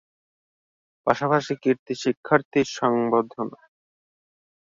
পাশাপাশি কৃতি শিক্ষার্থী সংবর্ধনা।